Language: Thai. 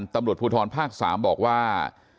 ตำรวจภูทรภาค๓บอกว่า